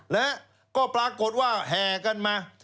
และก็ปรากฏว่าแห่กันมา